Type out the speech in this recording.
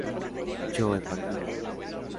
¿yo he partido?